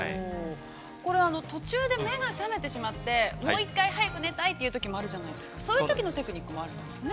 ◆これは途中で目が覚めてしまって、もう一回、早く寝たいというときもあるじゃないですか、そういうときのテクニックもあるんですね。